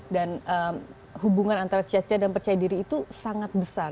dan hubungan antara cita cita dan percaya diri itu sangat besar